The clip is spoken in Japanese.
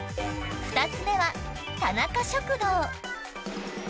２つ目は、田中食堂。